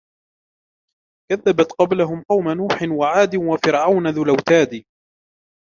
كَذَّبَتْ قَبْلَهُمْ قَوْمُ نُوحٍ وَعَادٌ وَفِرْعَوْنُ ذُو الْأَوْتَادِ